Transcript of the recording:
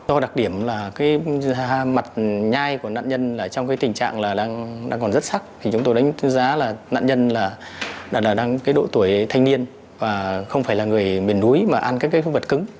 do đặc điểm là mặt nhai của nạn nhân trong tình trạng đang còn rất sắc thì chúng tôi đánh giá là nạn nhân đang độ tuổi thanh niên và không phải là người miền núi mà ăn các vật cứng